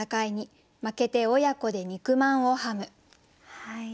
はい。